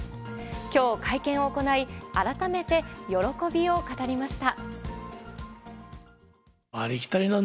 今日、会見を行い改めて喜びを語りました。